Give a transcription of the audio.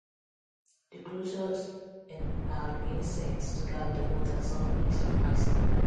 The cruisers and had been sent to guard the waters south-east of Iceland.